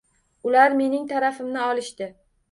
Ular mening tarafimni olishdi.